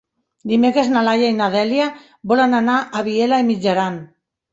Dimecres na Laia i na Dèlia volen anar a Vielha e Mijaran.